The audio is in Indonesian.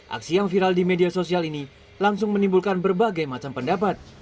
aksi yang viral di media sosial ini langsung menimbulkan berbagai macam pendapat